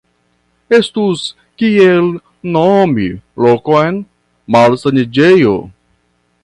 Estus kiel nomi lokon malsaniĝejo.